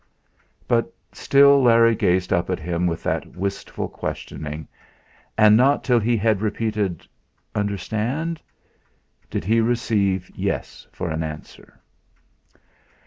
But still Larry gazed up at him with that wistful questioning, and not till he had repeated, "Understand?" did he receive "Yes" for answer.